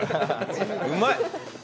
うまい！